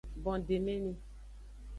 Bondemeni.